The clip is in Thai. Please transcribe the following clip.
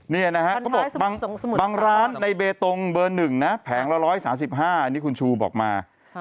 นี่นะฮะเขาบอกบางร้านในเบตงเบอร์๑นะแผงละ๑๓๕อันนี้คุณชูบอกมา